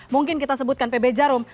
mungkin kita sebutkan pb jarum